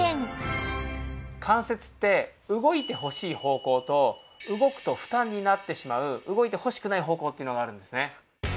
関節って動いてほしい方向と動くと負担になってしまう動いてほしくない方向っていうのがあるんですね。